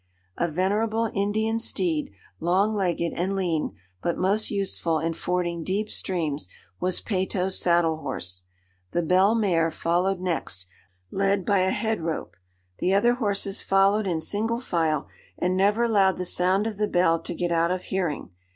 A venerable Indian steed, long legged and lean, but most useful in fording deep streams, was Peyto's saddle horse. The bell mare followed next, led by a head rope. The other horses followed in single file, and never allowed the sound of the bell to get out of hearing.